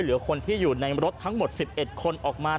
เหลือคนที่อยู่ในรถทั้งหมด๑๑คนออกมา